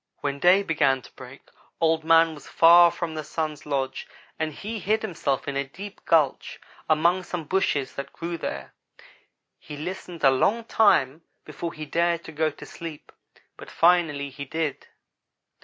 When day began to break Old man was far from the Sun's lodge and he hid himself in a deep gulch among some bushes that grew there. He listened a long time before he dared to go to sleep, but finally he did.